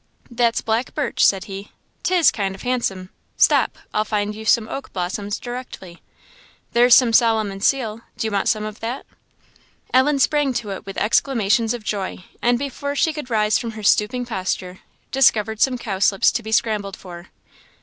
"That's black birch," said he; " 'tis kind o' handsome; stop, I'll find you some oak blossoms directly. There's some Solomon's seal do you want some of that?" Ellen sprang to it with exclamations of joy, and, before she could rise from her stooping posture, discovered some cowslips to be scrambled for.